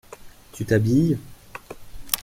Tu t’habilles ?